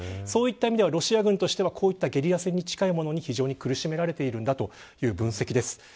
そういった意味では、ロシア軍はゲリラ戦に近いものに非常に苦しめられているという分析です。